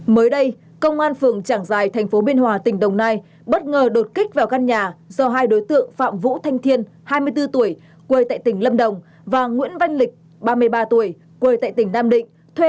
mới đây công an phường trảng giài thành phố biên hòa tỉnh đồng nai bất ngờ đột kích vào căn nhà do hai đối tượng phạm vũ thanh thiên hai mươi bốn tuổi quê tại tỉnh lâm đồng và nguyễn văn lịch ba mươi ba tuổi quê tại tỉnh nam định